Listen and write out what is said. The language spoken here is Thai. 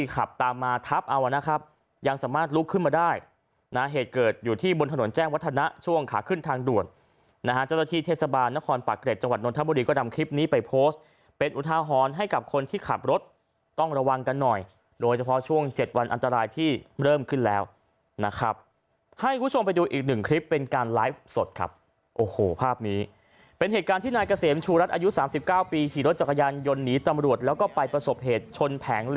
ขึ้นทางด่วนนะฮะเจ้าหน้าที่เทศบาลนครปะเกรดจังหวัดนทบุรีก็ดำคลิปนี้ไปโพสต์เป็นอุทาฮรณ์ให้กับคนที่ขับรถต้องระวังกันหน่อยโดยเฉพาะช่วงเจ็ดวันอันตรายที่เริ่มขึ้นแล้วนะครับให้คุณชมไปดูอีกหนึ่งคลิปเป็นการไลฟ์สดครับโอ้โหภาพนี้เป็นเหตุการณ์ที่นายเกษมชูรัตน์อ